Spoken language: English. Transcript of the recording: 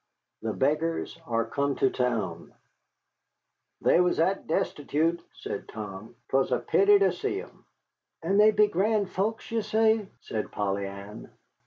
"THE BEGGARS ARE COME TO TOWN" "They was that destitute," said Tom, "'twas a pity to see 'em." "And they be grand folks, ye say?" said Polly Ann.